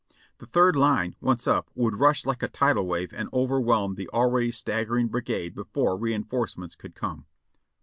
The third line, once up, would rush like a tidal wave and overwhelm the already staggering brigade before re inforcements could come.